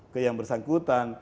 ke yang bersangkutan